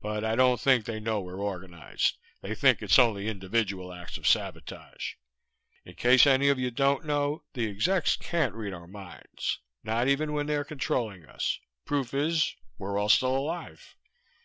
But I don't think they know we're organized, they think it's only individual acts of sabotage. In case any of you don't know, the execs can't read our minds. Not even when they're controlling us. Proof is we're all still alive.